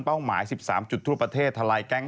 เป้าหมาย๑๓จุดทั่วประเทศทะลายแกล้ง